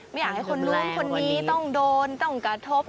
ไม่อยากให้คนนู้นคนนี้ต้องโดนต้องกระทบ